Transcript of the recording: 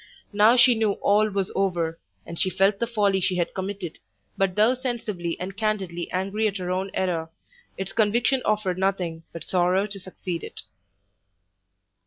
Now she knew all was over, she felt the folly she had committed, but though sensibly and candidly angry at her own error, its conviction offered nothing but sorrow to succeed it.